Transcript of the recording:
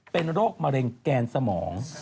เป็นโรคมะเร็งแกนสมอง